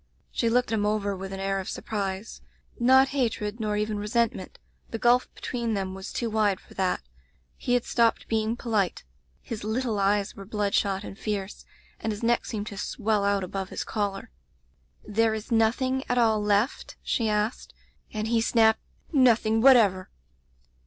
She looked him over with an air of surprise — ^not hatred, nor even resentment; the gulf between them was too wide for that. He had stopped being po lite. His little eyes were bloodshot and fierce, and his neck seemed to swell out above his collar. "* There is nothing at all left ?' she asked, and he snapped — 'Nothing whatever!'